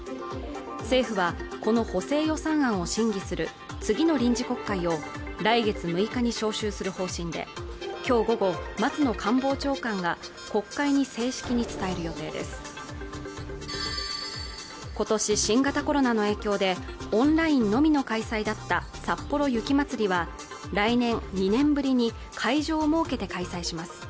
政府はこの補正予算案を審議する次の臨時国会を来月６日に召集する方針で今日午後松野官房長官が国会に正式に伝える予定です今年新型コロナの影響でオンラインのみの開催だったさっぽろ雪まつりは来年２年ぶりに会場を設けて開催します